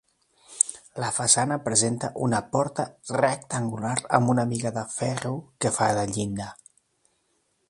La façana presenta una porta rectangular amb una biga de ferro que fa de llinda.